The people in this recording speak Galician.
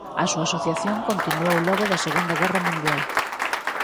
A súa asociación continuou logo da Segunda Guerra Mundial.